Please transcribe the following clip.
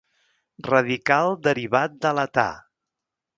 Radical derivat de l'età.